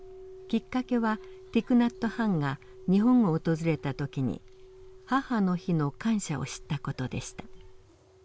きっかけはティク・ナット・ハンが日本を訪れた時に「母の日」の感謝を知った事でした。